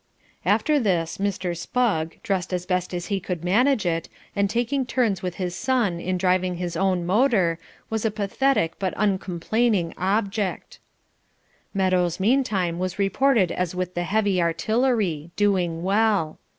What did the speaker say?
After this Mr. Spugg, dressed as best he could manage it, and taking turns with his son in driving his own motor, was a pathetic but uncomplaining object. Meadows meantime was reported as with the heavy artillery, doing well.